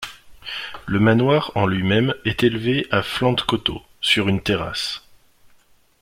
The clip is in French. Le manoir en lui-même est élevé à flanc de coteau, sur une terrasse.